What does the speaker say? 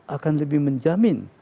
akan lebih menjamin